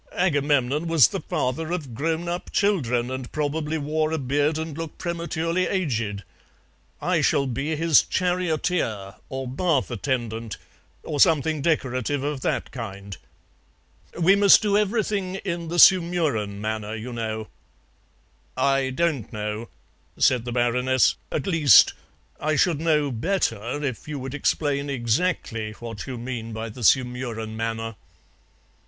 Agamemnon was the father of grown up children, and probably wore a beard and looked prematurely aged. I shall be his charioteer or bath attendant, or something decorative of that kind. We must do everything in the Sumurun manner, you know." "I don't know," said the Baroness; "at least, I should know better if you would explain exactly what you mean by the Sumurun manner."